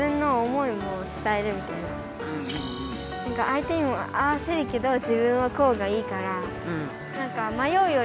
相手にも合わせるけど自分はこうがいいから。